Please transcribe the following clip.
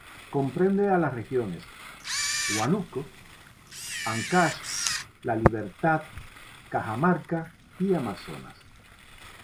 Comprende a las regiones: Huánuco, Ancash, La Libertad, Cajamarca y Amazonas.